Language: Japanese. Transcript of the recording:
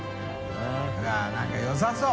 Δ何かよさそう！